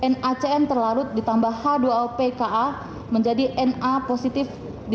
nacn terlarut ditambah h dua lpka menjadi na positif